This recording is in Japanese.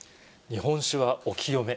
日本酒はお清め。